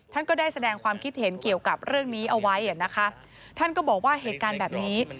ท่านก็ได้แสดงความคิดเห็นเกี่ยวกับเรื่องนี้เอาไว้นะคะท่านก็บอกว่าเหตุการณ์แบบนี้